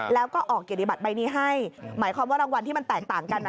แล้วก็ออกเกียรติบัตรใบนี้ให้หมายความว่ารางวัลที่มันแตกต่างกัน